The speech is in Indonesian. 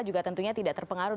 juga tentunya tidak terpengaruh